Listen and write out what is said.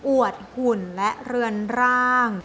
วดหุ่นและเรือนร่าง